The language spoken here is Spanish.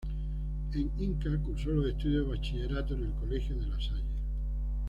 En Inca cursó los estudios de Bachillerato en el Colegio de La Salle.